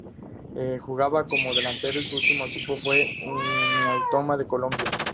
Jugaba como delantero y su ultimo equipo fue Uniautónoma de Colombia